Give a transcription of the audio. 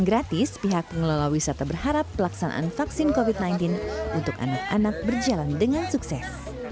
gratis pihak pengelola wisata berharap pelaksanaan vaksin covid sembilan belas untuk anak anak berjalan dengan sukses